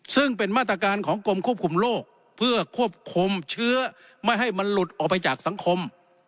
ซึ่งเป็นมาตรการของกรมควบคุมโรคเพื่อควบคุมเชื้อไม่ให้มันหลุดออกไปจากสังคม